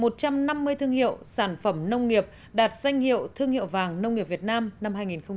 một trăm năm mươi thương hiệu sản phẩm nông nghiệp đạt danh hiệu thương hiệu vàng nông nghiệp việt nam năm hai nghìn một mươi chín